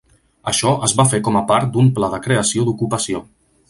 Això es va fer com a part d'un pla de creació d'ocupació.